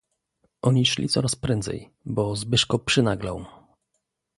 "Oni szli coraz prędzej, bo Zbyszko przynaglał."